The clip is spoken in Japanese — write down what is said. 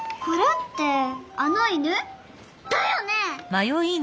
これってあの犬？だよね！